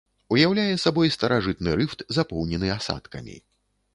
Уяўляе сабой старажытны рыфт, запоўнены асадкамі.